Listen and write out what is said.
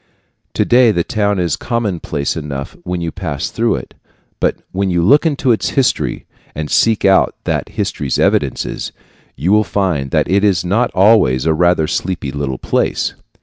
Today, the town is commonplace enough when you pass through it, but when you look into its history, and seek out that history's evidences, you will find that it was not always a rather sleepy little place.